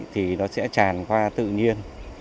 thì nó sẽ tràn qua tự nhiên